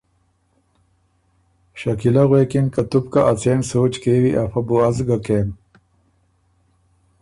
شکيلۀ غوېکِن که ”تُو بو که ا څېن سوچ کېوی افۀ بو از ګۀ کېم“